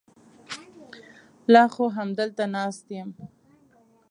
لا خو همدلته ناست یم.